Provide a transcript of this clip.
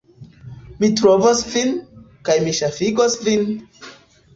Mi trovos vin, kaj mi ŝafigos vin!